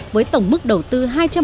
với tổng mức đầu tư hai trăm bảy mươi sáu